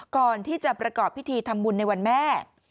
ก่อนที่จะประกอบพิธีทำบุญในวันแม่